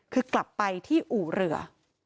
คือกลับไปที่อู่เรือ